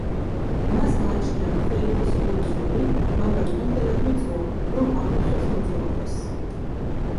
მას გააჩნია ქვეითის ორი ზოლი, მაგრამ იმდენად ვიწროა რომ აფერხებს მოძრაობას.